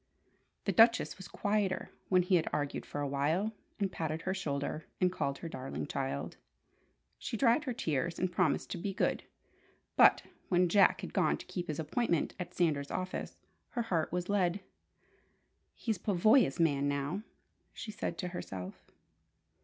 The Duchess was quieter when he had argued for a while, and patted her shoulder, and called her "darling child." She dried her tears, and promised to "be good" but when Jack had gone to keep his appointment at Sanders' office, her heart was lead. "He's Pavoya's man now!" she said to herself.